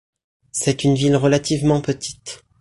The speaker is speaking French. C'est une ville relativement petite.